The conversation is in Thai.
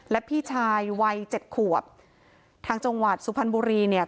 และพี่ชายวัยเจ็ดขวบทางจังหวัดสุพรรณบุรีเนี่ย